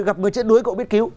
gặp người chết đuối cậu biết cứu